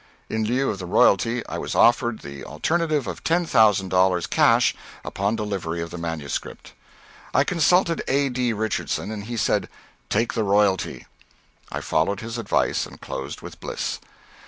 In lieu of the royalty, I was offered the alternative of ten thousand dollars cash upon delivery of the manuscript. I consulted A. D. Richardson and he said "take the royalty." I followed his advice and closed with Bliss.